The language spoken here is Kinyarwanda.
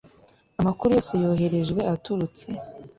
amakuru yose yoherejwe aturutse